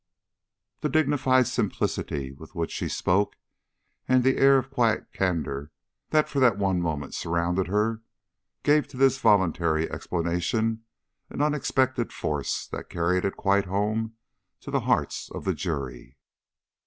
The dignified simplicity with which she spoke, and the air of quiet candor that for that one moment surrounded her, gave to this voluntary explanation an unexpected force that carried it quite home to the hearts of the jury.